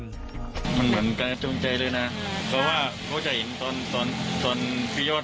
อยากให้เขารับโทษอยากให้เขารับโทษอย่างเดียว